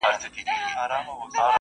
دغه ښځه ده او دغه یې مقام دی